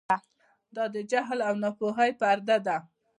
دا د جهل او ناپوهۍ پرده ده.